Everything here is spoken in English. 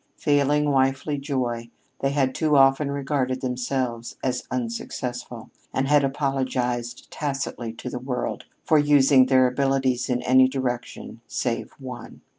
Failing wifely joy, they had too often regarded themselves as unsuccessful, and had apologized tacitly to the world for using their abilities in any direction save one.